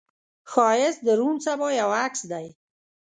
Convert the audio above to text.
ښایست د روڼ سبا یو عکس دی